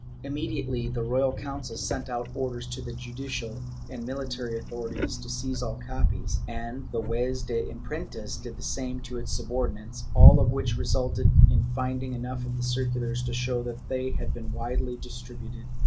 Immediately the Royal Council sent out orders to the judicial and military authorities to seize all copies, and the Juez de Imprentas did the same to his subordinates, all of which resulted in finding enough of the circulars to show that they had been widely distributed.